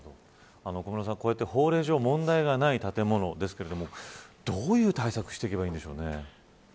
小室さん、こうやって法令上が問題ない建物ですがどういう対策をしていけばいいんでしょうかね。